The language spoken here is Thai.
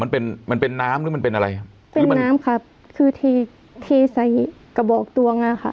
มันเป็นมันเป็นน้ำหรือมันเป็นอะไรเป็นน้ำครับคือเทใส่กระบอกตวงอ่ะค่ะ